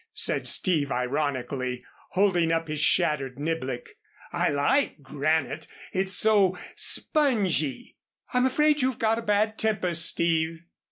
said Steve, ironically, holding up his shattered niblick. "I like granite, it's so spongy." "I'm afraid you've got a bad temper, Steve."